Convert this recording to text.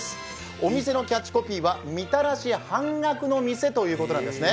お店のキャッチコピーは「みたらし半額の店」ということなんですね。